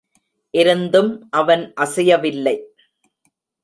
இருந்தும் அவன் அசையவில்லை.